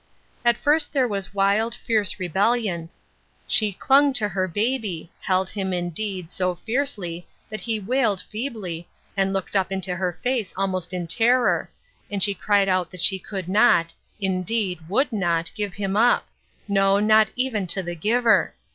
At first there was wild, fierce rebellion; she clung to her baby, held him, indeed, so fiercely that he wailed feebly, and looked up into her face almost in terror, and she cried out that she could not — indeed, would not — give him up ; no, not even to the Giver